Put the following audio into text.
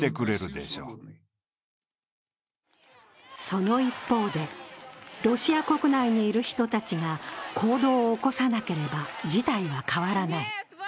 その一方で、ロシア国内にいる人たちが行動を起こさなければ事態は変わらない。